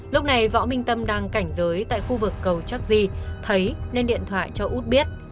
lúc này võ minh tâm đang cảnh giới tại khu vực cầu trắc di thấy nên điện thoại cho út biết